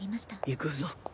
行くぞ。